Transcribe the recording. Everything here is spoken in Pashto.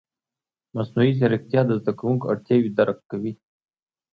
مصنوعي ځیرکتیا د زده کوونکو اړتیاوې درک کوي.